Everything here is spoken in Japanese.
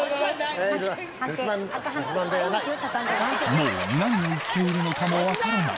もう何を言っているのかも分からない